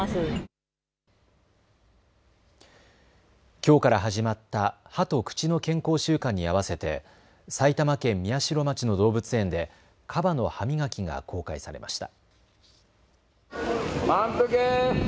きょうから始まった歯と口の健康週間に合わせて埼玉県宮代町の動物園でカバの歯磨きが公開されました。